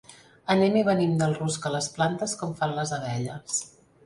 Anem i venim del rusc a les plantes com fan les abelles.